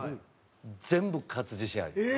「全部勝つ自信あります」。